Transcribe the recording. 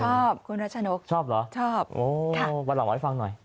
ชอบคุณรัชนกชอบเหรอชอบโอ้วันเหล่าให้ฟังหน่อย